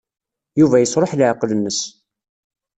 Yuba yesṛuḥ leɛqel-nnes.